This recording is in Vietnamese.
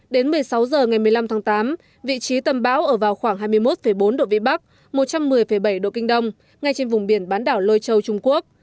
đến một mươi sáu h ngày một mươi năm tháng tám vị trí tâm bão ở vào khoảng hai mươi một bốn độ vĩ bắc một trăm một mươi bảy độ kinh đông ngay trên vùng biển bán đảo lôi châu trung quốc